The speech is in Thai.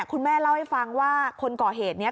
คุณแม่เล่าให้ฟังว่าคนก่อเหตุนี้